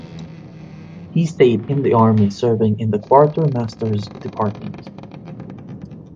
He stayed in the army serving in the quartermaster's department.